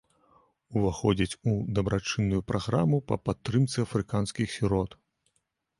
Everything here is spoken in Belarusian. Уваходзіць у дабрачынную праграму па падтрымцы афрыканскіх сірот.